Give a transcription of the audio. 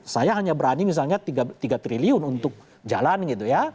saya hanya berani misalnya tiga triliun untuk jalan gitu ya